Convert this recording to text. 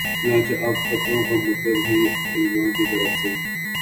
چنانچہ اب فتوے کا مطلب ہی علما کی طرف سے